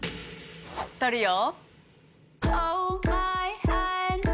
撮るよ。